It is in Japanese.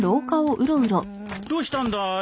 どうしたんだい？